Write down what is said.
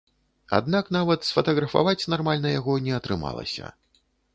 Аднак нават сфатаграфаваць нармальна яго не атрымалася.